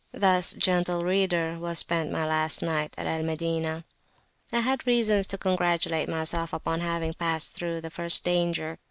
[p.57]Thus, gentle reader, was spent my last night at Al Madinah. I had reason to congratulate myself upon having passed through the first danger.